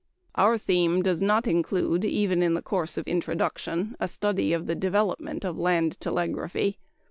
Our theme does not include even in the course of introduction a study of the development of land telegraphy.